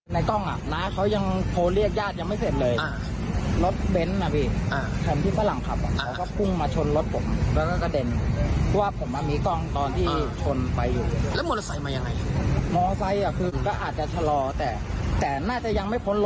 ในกล้องน่ะเขายังโทรเรียกญาติยังไม่เห็นเลย